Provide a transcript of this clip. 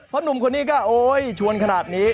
เพราะหนุ่มคนนี้ก็โอ๊ยชวนขนาดนี้